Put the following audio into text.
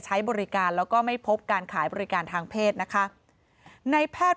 ใช้บริการแล้วก็ไม่พบการขายบริการทางเพศนะคะในแพทย์